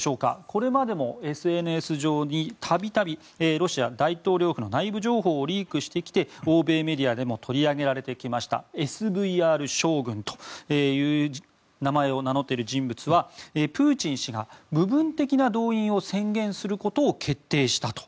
これまでもＳＮＳ上に度々ロシア大統領府の内部情報をリークしてきて欧米メディアでも取り上げられてきたＳＶＲ将軍という名前を名乗っている人物はプーチン氏が部分的な動員を宣言することを決定したと。